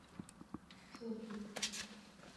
سیاسي اختلاف د نظر ازادي ده